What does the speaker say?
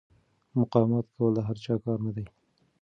مقاومت کول د هر چا کار نه دی.